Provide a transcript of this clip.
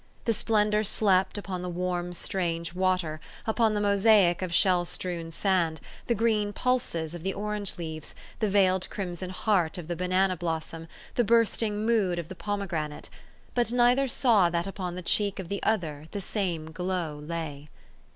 The splendor slept upon the warm, strange water, upon the mosaic of shell strewn sand, the green pulses of the orange leaves,. the veiled crimson heart of the banana blossom, the bursting mood of the pome granate ; but neither saw that upon the cheek of the other the same glow lay.